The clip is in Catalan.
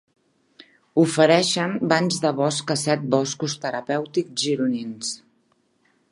Ofereixen banys de bosc a set boscos terapèutics gironins.